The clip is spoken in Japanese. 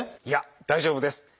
いや大丈夫です。